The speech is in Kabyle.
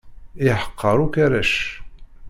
Yeḥqer akk arrac.